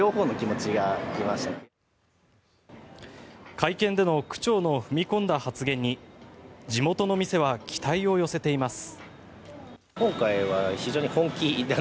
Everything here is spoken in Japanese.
会見での区長の踏み込んだ発言に地元の店は期待を寄せています。